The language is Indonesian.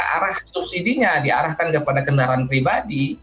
arah subsidi nya diarahkan kepada kendaraan pribadi